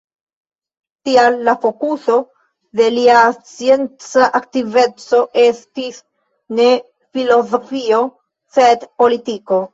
Tial, la fokuso de lia scienca aktiveco estis ne filozofio, sed politiko.